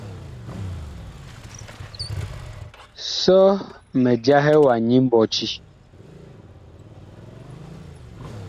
Sɔ mi jahɛ wa nyi mbɔti.